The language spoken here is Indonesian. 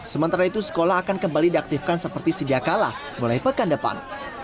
sementara itu sekolah akan kembali diaktifkan seperti sedia kalah mulai pekan depan